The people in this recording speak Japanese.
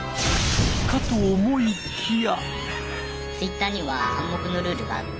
かと思いきや。